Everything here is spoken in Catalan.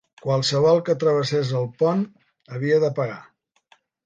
Qualsevol que travessés el pont havia de pagar.